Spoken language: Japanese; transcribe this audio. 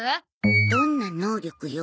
どんな能力よ。